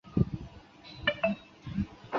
但其缺点是需要使用更长的站台。